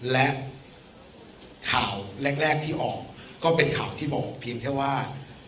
และข่าวแรกที่ออกก็เป็นข่าวที่บอกเพียงแค่ว่า